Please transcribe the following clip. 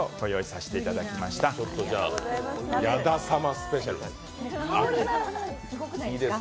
スペシャルです。